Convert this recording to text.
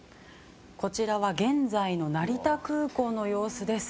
こちらは現在の成田空港の様子です。